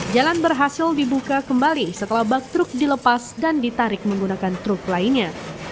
jalan berhasil dibuka kembali setelah bak truk dilepas dan ditarik menggunakan truk lainnya